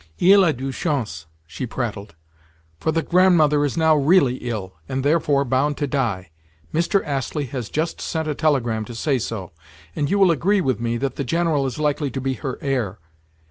"Il a de la chance," she prattled, "for the Grandmother is now really ill, and therefore, bound to die. Mr. Astley has just sent a telegram to say so, and you will agree with me that the General is likely to be her heir.